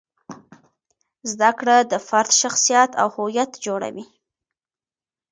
زده کړه د فرد شخصیت او هویت جوړوي.